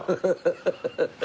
ハハハハ！